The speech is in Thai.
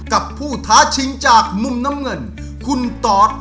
กับผู้ท้าชิงจากมุมน้ำเงินคุณตอด